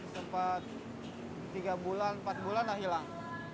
sempat tiga bulan empat bulan lah hilang